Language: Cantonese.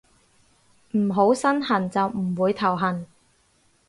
唔好身痕就唔會頭痕